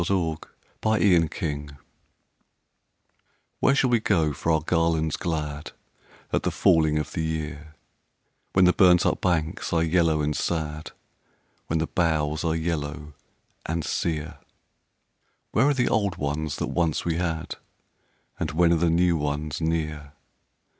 A Song of Autumn "Where shall we go for our garlands glad At the falling of the year, When the burnt up banks are yellow and sad, When the boughs are yellow and sere? Where are the old ones that once we had, And when are the new ones near?